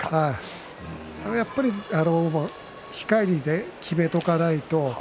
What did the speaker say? やっぱり控えにいて決めておかないと。